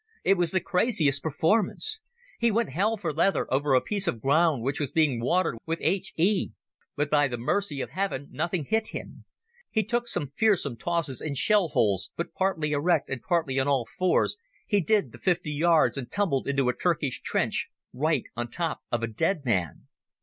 It was the craziest performance. He went hell for leather over a piece of ground which was being watered with H.E., but by the mercy of heaven nothing hit him. He took some fearsome tosses in shell holes, but partly erect and partly on all fours he did the fifty yards and tumbled into a Turkish trench right on top of a dead man.